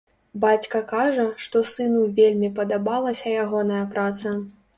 Бацька кажа, што сыну вельмі падабалася ягоная праца.